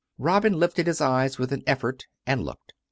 Robin lifted his eyes with an effort and looked.